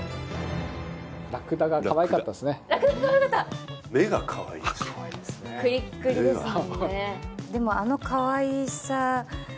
ラクダラクダがかわいかったクリックリですもんね